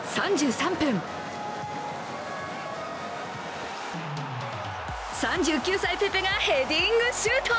３９歳、ペペがヘディングシュート。